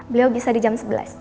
beliau bisa di jam sebelas